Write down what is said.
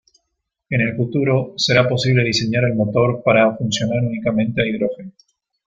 En el futuro será posible diseñar el motor para funcionar únicamente a hidrógeno.